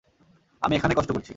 আমি এখানে কষ্ট করছি।